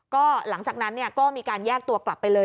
ก็หลังจากนั้นก็มีการแยกตัวกลับไปเลย